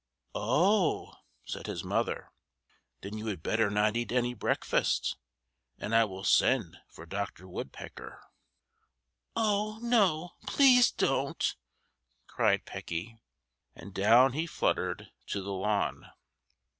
"Oh!" said his mother, "then you had better not eat any breakfast, and I will send for Doctor Woodpecker." "Oh no, please don't!" cried Pecky, and down he fluttered to the lawn.